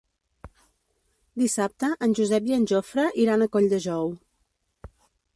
Dissabte en Josep i en Jofre iran a Colldejou.